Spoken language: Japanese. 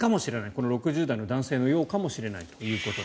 この６０代男性のようかもしれないと。